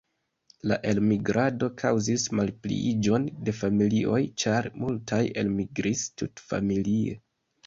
La elmigrado kaŭzis malpliiĝon de familioj, ĉar multaj elmigris tutfamilie.